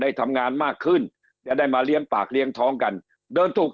ได้ทำงานมากขึ้นจะได้มาเลี้ยงปากเลี้ยงท้องกันเดินถูก